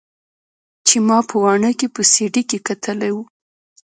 چې ما په واڼه کښې په سي ډي کښې کتلې وه.